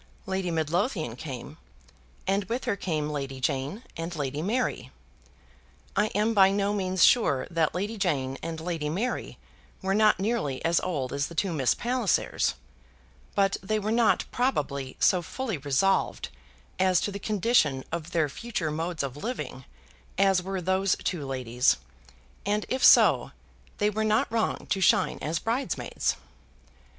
Lady Midlothian came, and with her came Lady Jane and Lady Mary. I am by no means sure that Lady Jane and Lady Mary were not nearly as old as the two Miss Pallisers; but they were not probably so fully resolved as to the condition of their future modes of living as were those two ladies, and if so, they were not wrong to shine as bridesmaids.